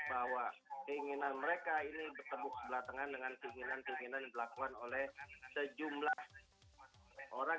bahwa keinginan mereka ini bertemu sebelah tengah dengan keinginan keinginan yang dilakukan oleh sejumlah orang